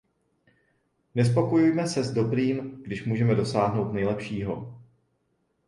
Nespokojujme se s dobrým, když můžeme dosáhnout nejlepšího.